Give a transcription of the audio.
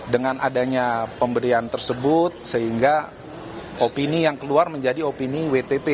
dengan adanya pemberian tersebut sehingga opini yang keluar menjadi opini wtp